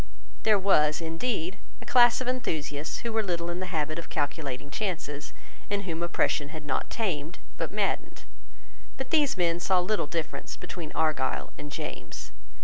There was, indeed, a class of enthusiasts who were little in the habit of calculating chances, and whom oppression had not tamed but maddened. But these men saw little difference between Argyle and James.